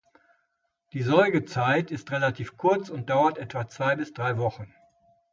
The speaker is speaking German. Die Säugezeit ist relativ kurz und dauert etwa zwei bis drei Wochen.